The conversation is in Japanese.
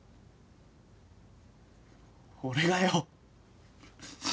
俺がよ。